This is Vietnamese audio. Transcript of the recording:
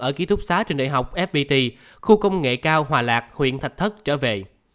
ở ký thúc xá trên đại học fpt khu công nghệ cao hòa lạc huyện thạch thất trở về